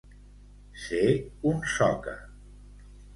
Ser un soca.